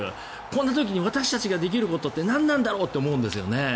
こんな時に私たちができることって何なんだろうって思うんですよね。